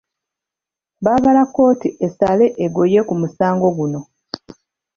Baagala kkooti esale eggoye ku musango guno.